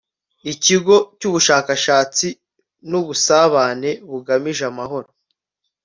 ikigo cy'ubushakashatsi n'ubusabane bugamije amahoro